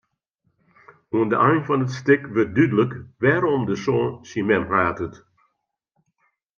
Oan de ein fan it stik wurdt dúdlik wêrom de soan syn mem hatet.